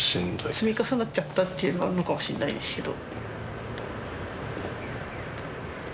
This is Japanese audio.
積み重なっちゃったっていうのはあるのかもしれないですけど。